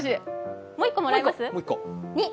もう一個、もらいます？